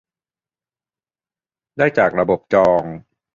ได้จากระบบจอง